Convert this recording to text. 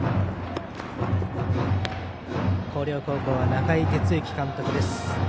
広陵高校は中井哲之監督です。